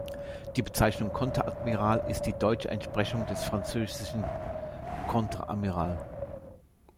Die Bezeichnung Konteradmiral ist die deutsche Entsprechung des französischen "Contre-amiral".